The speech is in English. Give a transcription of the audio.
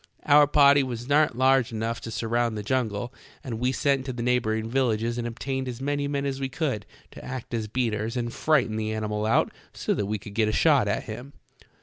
Our party was not large enough to surround the jungle, and we sent to the neighboring villages and obtained as many men as we could to act as beaters and frighten the animal out so that we could get a shot at him."